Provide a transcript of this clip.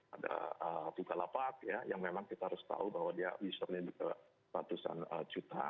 ada bukalapak yang memang kita harus tahu bahwa dia wisurnya juga ratusan juta